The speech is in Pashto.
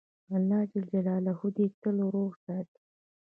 الله ج دي تل روغ ساتی